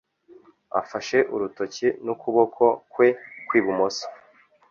Afashe urutoki n'ukuboko kwe kw'ibumoso.